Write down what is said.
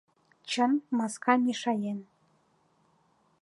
Чын, маска мешаен.